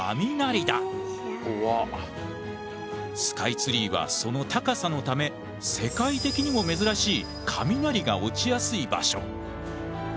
スカイツリーはその高さのため世界的にも珍しい雷が落ちやすい場所。